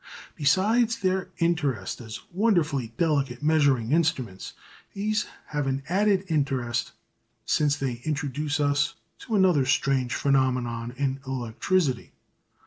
Besides their interest as wonderfully delicate measuring instruments, these have an added interest, since they introduce us to another strange phenomenon in electricity.